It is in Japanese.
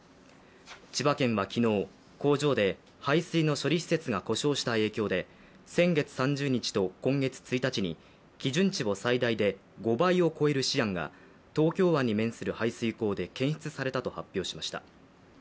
千葉県は昨日、工場で排水の処理施設が故障した影響で先月３０日と今月１日に、基準値を最大で５倍を超えるシアンが東京湾に面する排水口で検出されたと発表しました。